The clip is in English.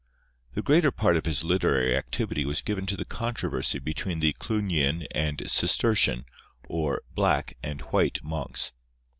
The greater part of his literary activity was given to the controversy between the Clugnian and Cistercian, or "black" and "white" monks.